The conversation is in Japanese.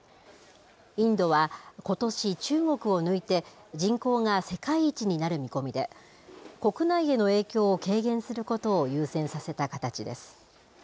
インドはことし、中国を抜いて人口が世界一になる見込みで、国内への影響を軽減することを優先させた形です。